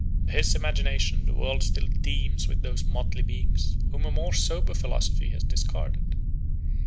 To his imagination the world still teems with those motley beings whom a more sober philosophy has discarded.